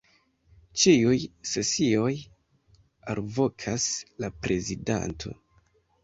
Ĉiuj sesioj alvokas la prezidanto.